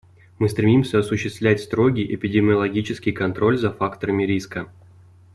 Мы стремимся осуществлять строгий эпидемиологический контроль за факторами риска.